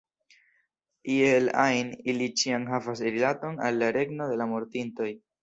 Iel ajn, ili ĉiam havas rilaton al la regno de la mortintoj.